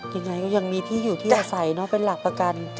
ยังไงก็ยังมีที่อยู่ที่อาศัยเนอะเป็นหลักประกัน